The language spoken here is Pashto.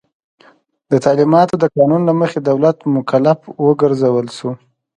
د تعلیماتو د قانون له مخي دولت مکلف وګرځول سو.